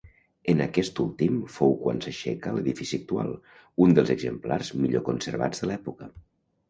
En aquest últim fou quan s'aixeca l'edifici actual, un dels exemplars millor conservats de l'època.